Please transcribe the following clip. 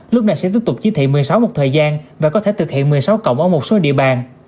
lúc này sẽ tiếp tục chí thị một mươi sáu một thời gian và có thể thực hiện một mươi sáu cộng ở một số địa bàn